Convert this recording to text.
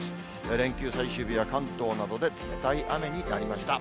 連休最終日は関東などで冷たい雨になりました。